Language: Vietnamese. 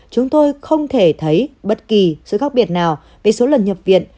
chúng tôi không thể thấy bất kỳ sự khác biệt nào về số lần nhập viện